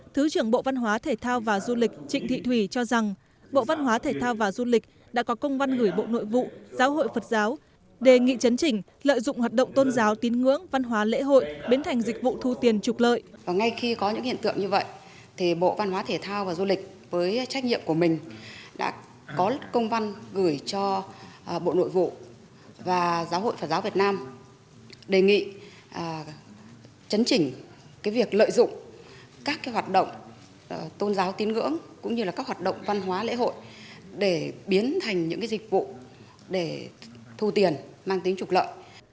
thứ trưởng bộ văn hóa thể thao và du lịch trịnh thị thủy cho rằng bộ văn hóa thể thao và du lịch đã có công văn gửi bộ nội vụ giáo hội phật giáo đề nghị chấn trình lợi dụng hoạt động tôn giáo tín ngưỡng văn hóa lễ hội biến thành dịch vụ thu tiền trục lợi